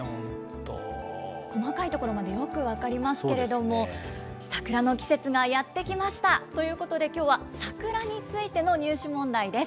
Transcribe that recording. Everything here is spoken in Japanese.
細かいところまでよく分かりますけれども、桜の季節がやって来ました。ということで、きょうは桜についての入試問題です。